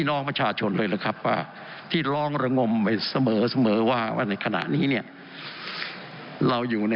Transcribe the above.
โอ้โหเหนื่อยกันทั้งคู่ค่ะ